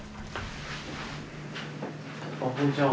あっこんにちは。